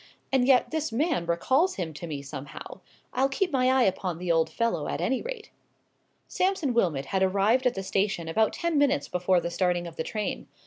And yet this man recalls him to me somehow. I'll keep my eye upon the old fellow, at any rate." Sampson Wilmot had arrived at the station about ten minutes before the starting of the train.